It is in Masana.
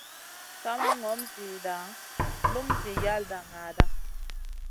Sa ma ŋom ziyna lum zi yalda naaɗa.